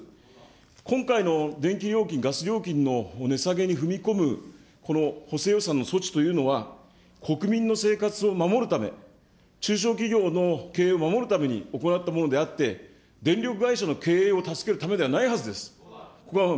今回の電気料金、ガス料金の値下げに踏み込む補正予算の措置というのは、国民の生活を守るため、中小企業の経営を守るために行ったものであって、電力会社の経営を助けるためではないはずです。